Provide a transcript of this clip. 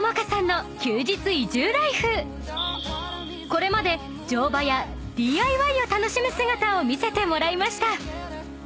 ［これまで乗馬やＤＩＹを楽しむ姿を見せてもらいました］